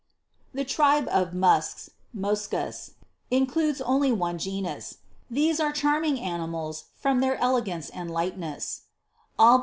] 21. The Tribe of Musks, Moschus, includes only one genus. These are charming animals from their elegance and lightness ; 17.